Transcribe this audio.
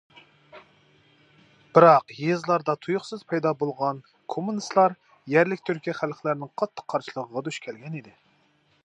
بىراق يېزىلاردا تۇيۇقسىز پەيدا بولغان كوممۇنىستلار يەرلىك تۈركىي خەلقلىرىنىڭ قاتتىق قارشىلىقىغا دۇچ كەلگەن ئىدى.